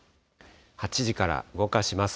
８時から動かします。